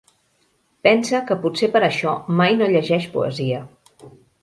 Pensa que potser per això mai no llegeix poesia.